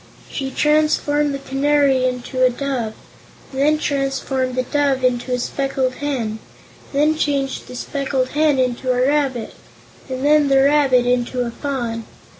She transformed the Canary into a Dove, and then transformed the Dove into a Speckled Hen, and then changed the Speckled Hen into a rabbit, and then the rabbit into a Fawn.